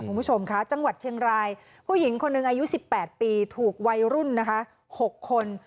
คุณผู้ชมค่ะจังหวัดเชียงรายผู้หญิงคนหนึ่งอายุ๑๘ปีถูกวัยรุ่นนะคะ๖คน